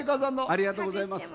ありがとうございます。